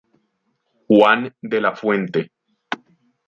Juan de la Fuente.